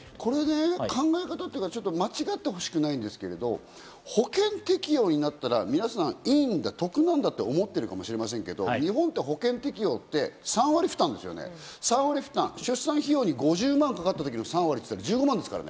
考え方っていうか、間違ってほしくないんですけど、保険適用になったら皆さん、いいんだ、得なんだと思ってるかもしれませんけど、日本って保険適用って３割負担、出産費用に５０万かかった時の３割って言ったら１５万ですからね。